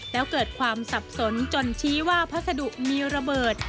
แล้วเกิดความสับสนจนชี้ว่าพัสดุมีระเบิด